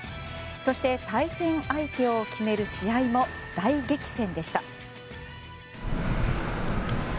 そして、対戦相手を決める試合も大激戦でした。